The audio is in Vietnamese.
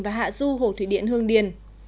và hạ du hồ thủy điện hương điền